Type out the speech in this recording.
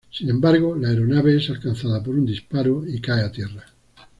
Sin embargo, la aeronave es alcanzada por un disparo y cae a tierra.